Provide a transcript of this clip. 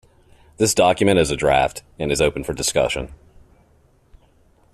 This document is a draft, and is open for discussion